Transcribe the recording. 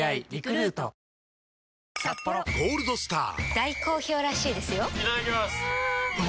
大好評らしいですよんうまい！